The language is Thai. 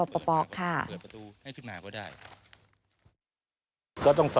ก็ต้องสอบไปผู้กล่าวหาก่อน